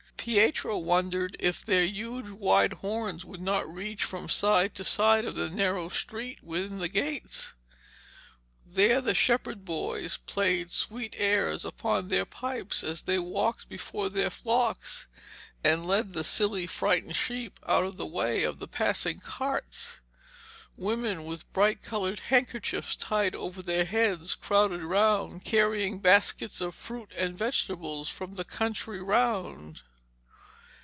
Pietro wondered if their huge wide horns would not reach from side to side of the narrow street within the gates. There the shepherd boys played sweet airs upon their pipes as they walked before their flocks, and led the silly frightened sheep out of the way of passing carts. Women with bright coloured handkerchiefs tied over their heads crowded round, carrying baskets of fruit and vegetables from the country round.